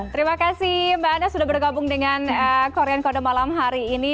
terima kasih mbak ana sudah bergabung dengan korean kode malam hari ini